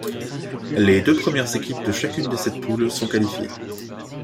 Les deux premières équipes de chacune des sept poules sont qualifiées.